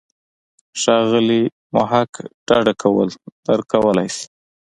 ښاغلی محق ډډه کول درک کولای شي.